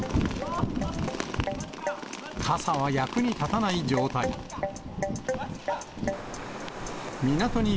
傘は役に立たない状態に。